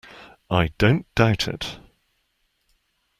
I don't doubt it!